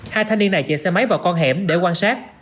hai thanh niên này chạy xe máy vào con hẻm để quan sát